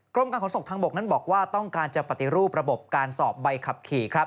กรมการขนส่งทางบกนั้นบอกว่าต้องการจะปฏิรูประบบการสอบใบขับขี่ครับ